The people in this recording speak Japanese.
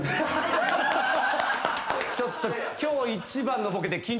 ちょっと今日一番のボケで。